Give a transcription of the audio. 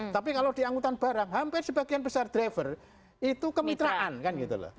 tapi kalau di angkutan barang hampir sebagian besar driver itu kemitraan kan gitu loh